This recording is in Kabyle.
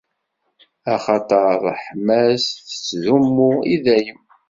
Axaṭer ṛṛeḥma-s tettdumu i dayem!